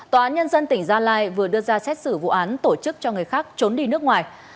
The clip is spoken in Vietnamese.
tòa án nhân dân tỉnh gia lai vừa đưa ra xét xử vụ án tổ chức cho người khác trốn đi nước ngoài